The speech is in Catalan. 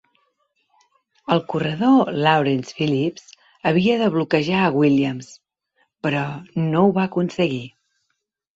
El corredor Lawrence Phillips havia de bloquejar a Williams, però no ho va aconseguir.